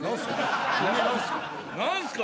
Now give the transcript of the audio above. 「何すか？」